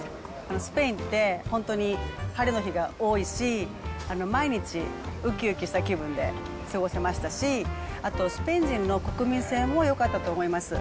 スペインって本当に晴れの日が多いし、毎日うきうきした気分で過ごせましたし、あとスペイン人の国民性もよかったと思います。